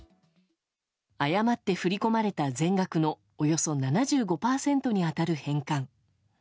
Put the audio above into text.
誤って振り込まれた全額のおよそ７５％に当たる返還。